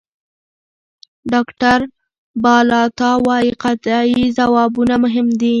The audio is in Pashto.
ډاکټر بالاتا وايي قطعي ځوابونه مهم دي.